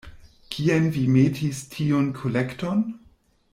Kien vi metis tiun kolekton?